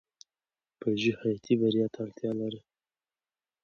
پژو حیاتي بریا ته اړتیا لرله.